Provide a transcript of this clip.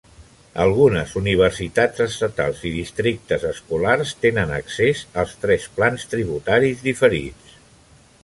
Algunes universitats estatals i districtes escolars tenen accés als tres plans tributaris diferits.